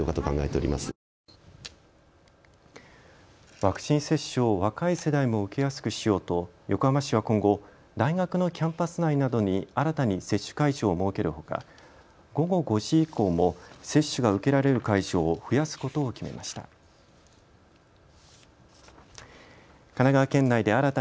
ワクチン接種を若い世代も受けやすくしようと横浜市は今後大学のキャンパス内などに新たに接種会場を設けるほか午後５時以降も接種が受けられる会場を増やすことを決めました。